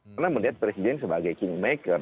karena melihat presiden sebagai king maker